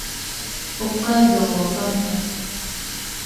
北海道和寒町